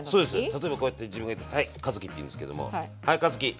例えばこうやって自分がいてはい和樹っていうんですけども「はい和樹料理して」。